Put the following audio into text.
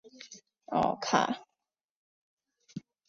卡曼加尔即造弓或造武器的人。